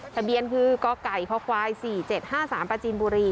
ทะเบียนคือกไก่พควาย๔๗๕๓ประจีนบุรี